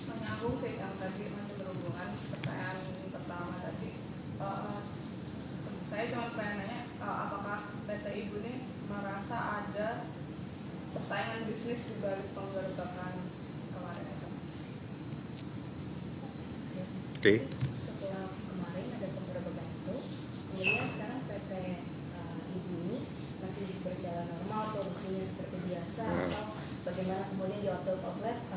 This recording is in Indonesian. atau bagaimana kemudian di waktu progres apakah ada warning tertentu atas penjualan beras atau ditarik